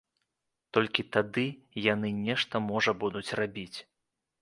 Толькі тады яны нешта можа будуць рабіць.